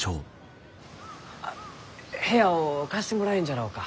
部屋を貸してもらえんじゃろうか？